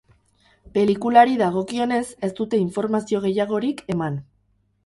Pelikulari dagokionez, ez dute informazio gehiagorik eman.